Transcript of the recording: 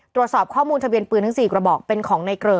ตรวจสอบข้อมูลทะเบียนปืนทั้ง๔กระบอกเป็นของในเกลอ